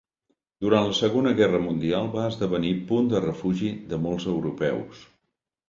Durant la Segona Guerra Mundial va esdevenir punt de refugi de molts europeus.